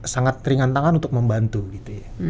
sangat ringan tangan untuk membantu gitu ya